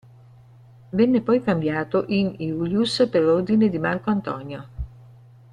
Venne poi cambiato in "iulius" per ordine di Marco Antonio.